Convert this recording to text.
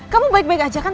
kamu baik baik aja kan